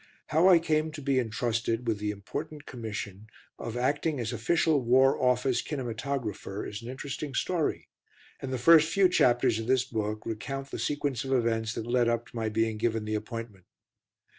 How I came to be entrusted with the important commission of acting as Official War Office Kinematographer is an interesting story, and the first few chapters of this book recount the sequence of events that led up to my being given the appointment.